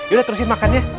yaudah terusin makannya